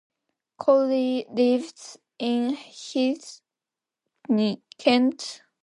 Colley lives in Hythe, Kent.